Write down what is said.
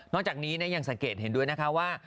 จากนี้ยังสังเกตเห็นด้วยนะคะว่า